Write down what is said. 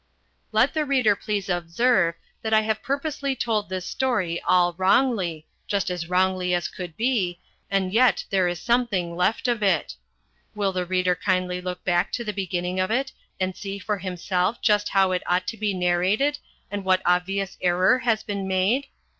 '" Let the reader please observe that I have purposely told this story all wrongly, just as wrongly as could be, and yet there is something left of it. Will the reader kindly look back to the beginning of it and see for himself just how it ought to be narrated and what obvious error has been made?